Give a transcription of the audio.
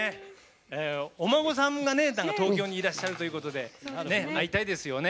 お孫さんが東京にいらっしゃるということで会いたいですよね。